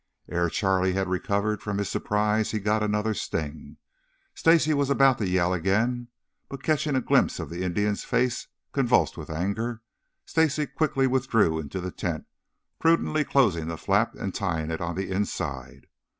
Ere Charlie had recovered from his surprise he got another sting. Stacy was about to yell again, but catching a glimpse of the Indian's face, convulsed with anger, Stacy quickly withdrew into the tent, prudently closing the flap and tying it on the inside.